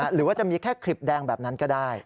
หรือว่าจะมีแค่คลิปแดงแบบนั้นก็ได้